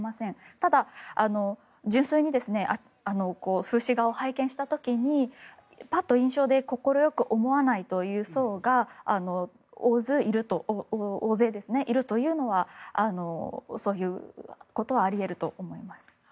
ただ、純粋に風刺画を拝見した時にパッと印象で快く思わないという層が大勢いるというのはそういうことはあり得ると思います。